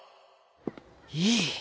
いい！